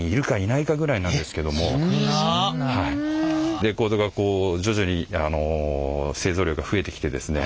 レコードがこう徐々に製造量が増えてきてですね